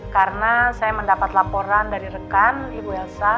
karena saya mendapat laporan dari rekan ibu elsa